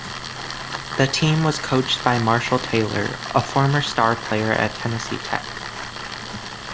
The team was coached by Marshall Taylor, a former star player at Tennessee Tech.